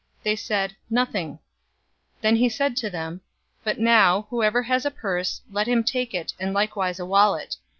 They said, "Nothing." 022:036 Then he said to them, "But now, whoever has a purse, let him take it, and likewise a wallet.